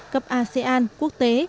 cấp asean quốc tế